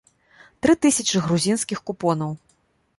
Тры тысячы грузінскіх купонаў.